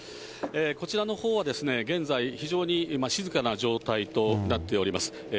こちらのほうは、現在、非常に静かな状態となっております。